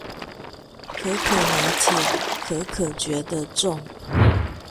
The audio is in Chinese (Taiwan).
可可拿鐵，可可覺得重